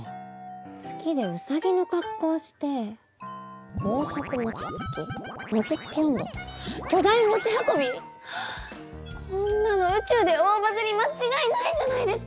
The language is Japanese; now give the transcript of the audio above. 月でうさぎの格好して高速もちつきもちつき音頭巨大もち運びはあっこんなの宇宙で大バズリ間違いないじゃないですか！